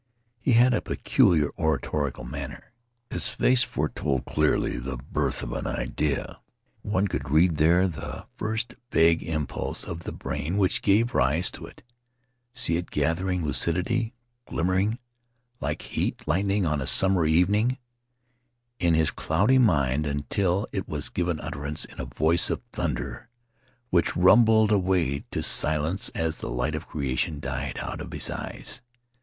He had a peculiar oratorical manner. His face fore told clearly the birth of an idea. One could read there the first vague impulse in the brain which gave rise to it; see it gathering lucidity, glimmering, like heat lightning on a summer evening, in his cloudy mind, until it was given utterance in a voice of thunder, which rumbled away to silence as the light of creation died out of his eyes.